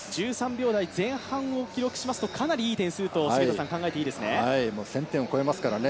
１３秒台前半を記録しますと、かなりいい点数と考えていいですね。